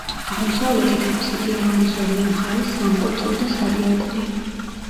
აღმოსავლეთით აფსიდია, რომლის ორივე მხარეს სამკვეთლო და სადიაკვნეა.